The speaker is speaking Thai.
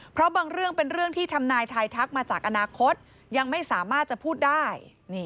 เพราะบางเรื่องเป็นเรื่องที่ทำนายทายทักมาจากอนาคตยังไม่สามารถจะพูดได้